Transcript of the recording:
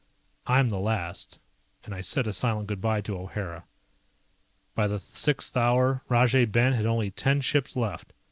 I'm the last, and I said a silent good bye to O'Hara. By the sixth hour Rajay Ben had only ten ships left.